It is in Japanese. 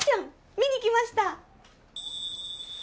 見にきました